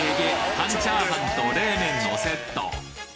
半チャーハンと冷麺のセット！？